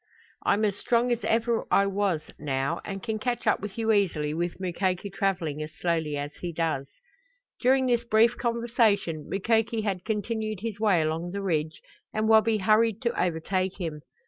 I'm as strong as I ever was now, and can catch up with you easily with Mukoki traveling as slowly as he does." During this brief conversation Mukoki had continued his way along the ridge and Wabi hurried to overtake him.